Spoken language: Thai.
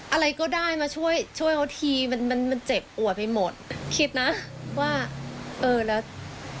อะไรก็ได้มาช่วยช่วยเขาทีมันมันเจ็บปวดไปหมดคิดนะว่าเออแล้ว